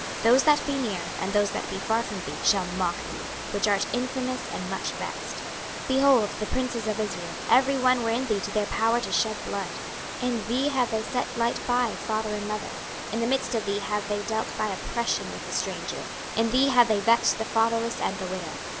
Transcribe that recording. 26:022:005 Those that be near, and those that be far from thee, shall mock thee, which art infamous and much vexed. 26:022:006 Behold, the princes of Israel, every one were in thee to their power to shed blood. 26:022:007 In thee have they set light by father and mother: in the midst of thee have they dealt by oppression with the stranger: in thee have they vexed the fatherless and the widow.